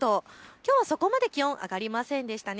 きょうはそこまで気温、上がりませんでした。